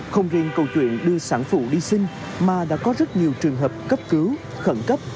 không riêng câu chuyện đưa sản phụ đi sinh mà đã có rất nhiều trường hợp cấp cứu khẩn cấp